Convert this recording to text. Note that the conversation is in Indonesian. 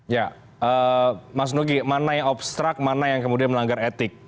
ya mas nugi mana yang obstrak mana yang kemudian melanggar etik